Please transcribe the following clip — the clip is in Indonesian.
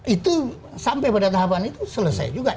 itu sampai pada tahapan itu selesai juga